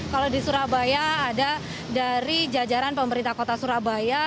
kalau di surabaya ada dari jajaran pemerintah kota surabaya